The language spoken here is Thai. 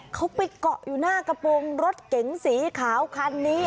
เขาไปเกาะอยู่หน้ากระโปรงรถเก๋งสีขาวคันนี้